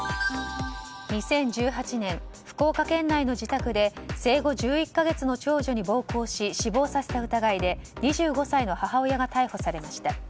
２０１８年、福岡県内の自宅で生後１１か月の長女に暴行し死亡させた疑いで２５歳の母親が逮捕されました。